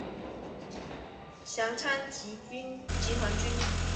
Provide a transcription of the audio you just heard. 详参集团军。